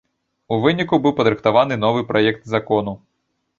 У выніку быў падрыхтаваны новы праект закону.